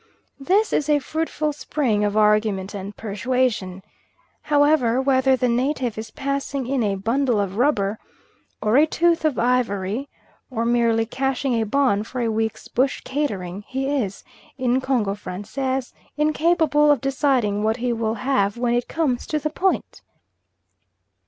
This is a fruitful spring of argument and persuasion. However, whether the native is passing in a bundle of rubber or a tooth of ivory, or merely cashing a bon for a week's bush catering, he is in Congo Francais incapable of deciding what he will have when it comes to the point.